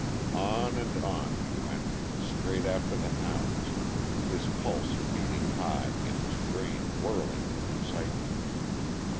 On and on he went, straight after the hounds, his pulse beating high and his brain whirling with excitement.